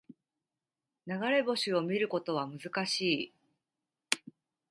流れ星を見ることは難しい